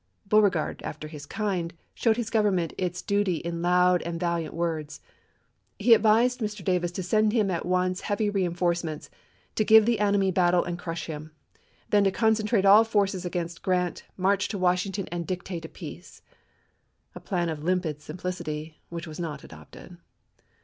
Beauregard, after his kind, showed 2tis Government its duty in loud and valiant FIVE FORKS 157 words. He advised Mr. Davis to send him at once chap.viii. heavy reinforcements " to give the enemy battle and crush him"; "then to concentrate all forces against Grant, march to Washington and dictate lses. a peace "— a plan of limpid simplicity, which was not adopted.